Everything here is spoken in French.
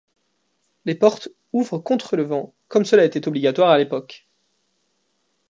Les portes ouvrent contre le vent, comme cela était obligatoire à l'époque.